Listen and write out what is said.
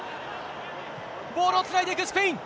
ボールをつないでいくスペイン。